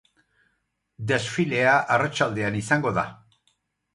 Desfilea arratsaldean izango da.